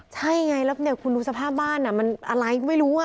ใช่ไงแล้วเนี่ยคุณดูสภาพบ้านมันอะไรไม่รู้